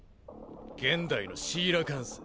現代のシーラカンス。